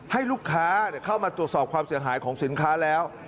ให้ลูกค้าเข้ามาตรวจสอบความเสียหายของสินค้าแล้ว